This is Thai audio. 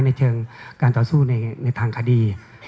ในเชิงการต่อสู้ในทางคดี